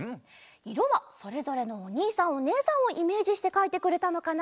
いろはそれぞれのおにいさんおねえさんをイメージしてかいてくれたのかな。